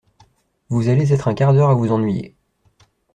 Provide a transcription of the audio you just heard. Vous allez être un quart d’heure à vous ennuyer.